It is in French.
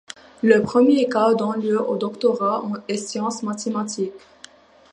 Le premier cas donne lieu au doctorat es sciences mathématiques.